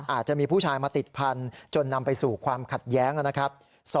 อาจจะมีผู้ชายมาติดพันธุ์จนนำไปสู่ความขัดแย้งนะครับ